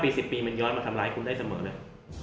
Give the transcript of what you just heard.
๑๐ปีมันย้อนมาทำร้ายคุณได้เสมอเลย